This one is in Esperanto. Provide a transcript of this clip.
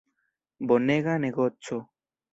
Bonega negoco.